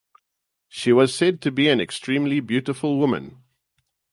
She was said to be an extremely beautiful woman.